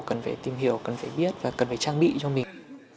cần phải tìm hiểu cần phải biết và cần phải trang bị cho mình